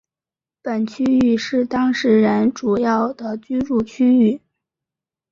本区域是当时人主要的居住区域。